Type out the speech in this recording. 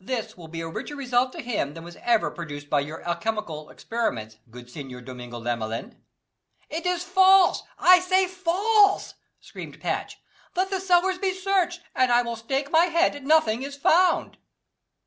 "This will be a richer result to him than was ever produced by your alchemical experiments, good Signor Domingo Lamelyn." "It is false! I say false!" screamed Patch, "let the cellars be searched, and I will stake my head nothing is found."